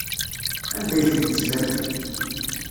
Anda ay ten-tezlamt?